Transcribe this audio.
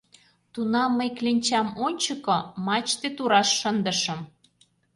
Тунам мый кленчам ончыко, мачте тураш шындышым.